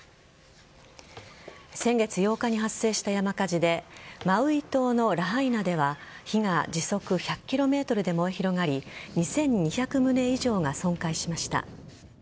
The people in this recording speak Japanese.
先月８日に発生した山火事でマウイ島のラハイナでは火が時速１００キロメートルで燃え広がり２２００棟以上が損壊しました。